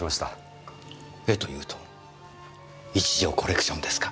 絵というと一条コレクションですか？